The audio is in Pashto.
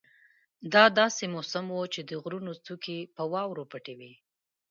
دا داسې موسم وو چې د غرونو څوکې په واورو پټې وې.